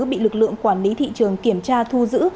bị lực lượng quản lý thị trường kiểm tra thu giữ